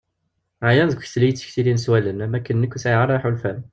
Ɛyan deg uktli iyi-ttektilin s wallen am wakken nekk ur sɛiɣ ara iḥulfan.